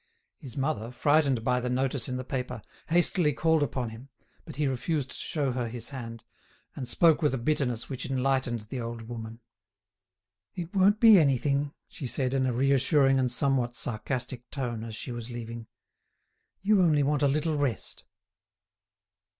His mother, frightened by the notice in the paper, hastily called upon him, but he refused to show her his hand, and spoke with a bitterness which enlightened the old woman. "It won't be anything," she said in a reassuring and somewhat sarcastic tone, as she was leaving. "You only want a little rest."